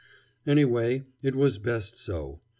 Anyway, it was best so.